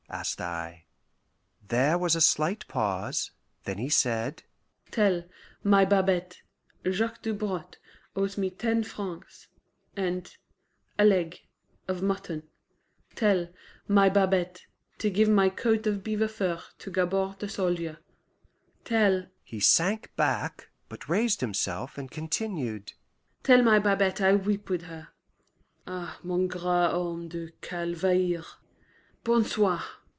asked I. There was a slight pause; then he said, "Tell my Babette Jacques Dobrotte owes me ten francs and a leg of mutton. Tell my Babette to give my coat of beaver fur to Gabord the soldier. Tell"...he sank back, but raised himself, and continued: "Tell my Babette I weep with her.... Ah, mon grand homme de Calvaire bon soir!"